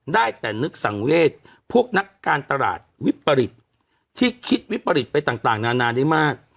ได้แต่นึกสังเวศพวกนักการตลาดวิปริตที่คิดวิปริตไปต่างนานาได้มาก